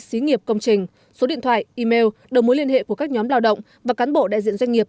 xí nghiệp công trình số điện thoại email đầu mối liên hệ của các nhóm lao động và cán bộ đại diện doanh nghiệp